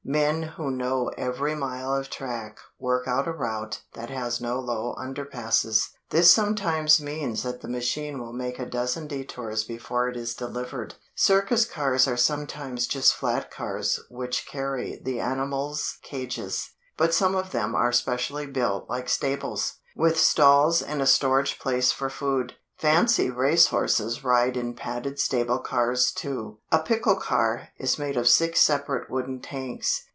Men who know every mile of track work out a route that has no low underpasses. This sometimes means that the machine will make a dozen detours before it is delivered. Circus cars are sometimes just flat cars which carry the animals' cages. But some of them are specially built like stables, with stalls and a storage place for food. Fancy race horses ride in padded stable cars, too. A pickle car is made of six separate wooden tanks.